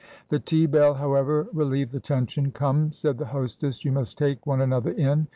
The tea bell, however, relieved the tension, "Come," said the hostess. "You must take one another in.